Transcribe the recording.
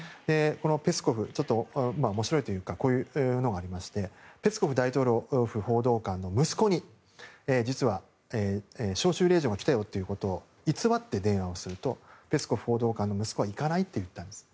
ペスコフさん、面白いというかこういうことがありましてペスコフ大統領府報道官の息子に実は、招集令状が来たよということを偽って電話をするとペスコフ大統領府報道官の息子は行かないと答えたんです。